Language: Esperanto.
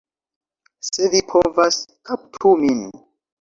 Se vi povas, kaptu min!